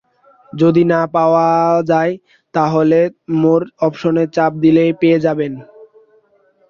যদি না পাওয়া যায়, তাহলে মোর অপশনে চাপ দিলেই পেয়ে যাবেন।